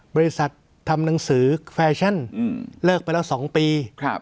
บริษัททำหนังสือแฟชั่นเลิกไปแล้ว๒ปี